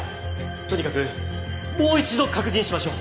とにかくもう一度確認しましょう。